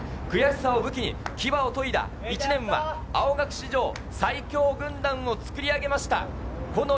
悔しさを武器に牙を研いだ１年は青学史上、最強軍団を作り上げました。